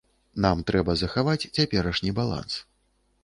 Нам трэба захаваць цяперашні баланс.